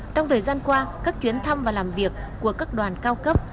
trong thời gian qua các chuyến thăm và làm việc của các đoàn cao cấp